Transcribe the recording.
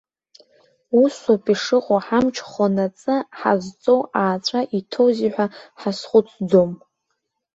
Ус ауп ишыҟоу ҳамч хонаҵы ҳазҵоу ааҵәа иҭоузеи ҳәа ҳазхәыцӡом.